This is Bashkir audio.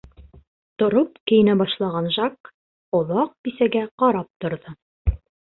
Тороп кейенә башлаған Жак оҙаҡ бисәгә ҡарап торҙо.